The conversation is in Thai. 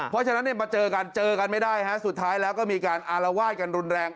เพราะฉะนั้นเจอกันไม่ได้สุดท้ายแล้วก็มีการอารวาดกันรุนแรง